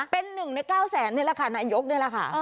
เป็น๑ใน๙แสนนี่แหละค่ะนายกนี่แหละค่ะ